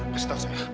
kasih tahu saya